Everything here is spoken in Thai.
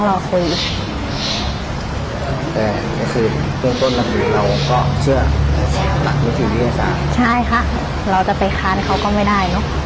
เราจะไปคานเขาก็ไม่ได้เนอะ